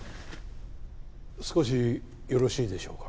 少しよろしいでしょうか？